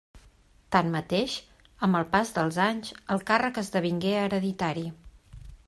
Tanmateix, amb el pas dels anys, el càrrec esdevingué hereditari.